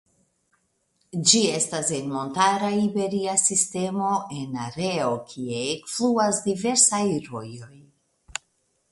Ĝi estas en montara Iberia Sistemo en areo kie ekfluas diversaj rojoj.